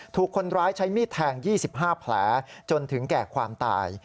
ถูกคนร้ายใช้มีดแทง๒๕แผลจนถึงแก่ความตาย